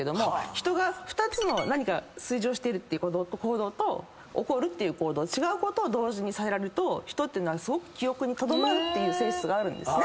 人が２つの何か炊事をしているっていう行動と怒るっていう行動違うことを同時にさせられると人ってのはすごく記憶にとどまるっていう性質があるんですね。